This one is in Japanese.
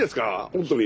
本当に。